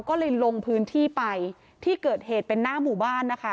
ก็เลยลงพื้นที่ไปที่เกิดเหตุเป็นหน้าหมู่บ้านนะคะ